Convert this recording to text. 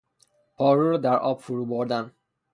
پارو را در آب فرو بردن